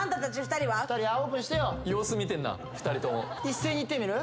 ２人はオープンしてよ様子見てんな２人とも一斉にいってみる？